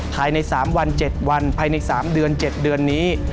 ภายในสามวันเจ็ดวันภายในสามเดือนเจ็ดเดือนนี้